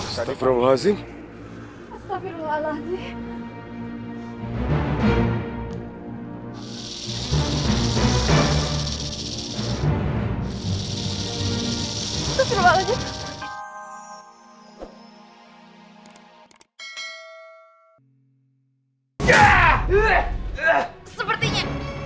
sampai jumpa di video selanjutnya